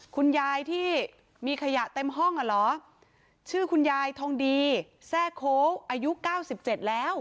คุณยายที่มีขยะเต็มห้องอ่ะเหรอชื่อคุณยายทองดีแทรกโค้กอายุเก้าสิบเจ็ดแล้ว